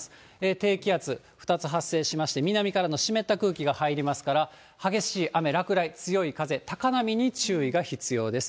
低気圧２つ発生しまして、南からの湿った空気が入りますから、激しい雨、落雷、強い風、高波に注意が必要です。